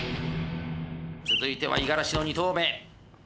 続いては五十嵐の２投目。